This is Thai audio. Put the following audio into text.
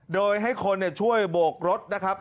โดยให้คนช่วยโบกรถนะครับ